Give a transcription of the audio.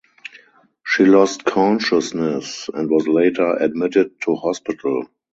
She lost consciousness and was later admitted to hospital.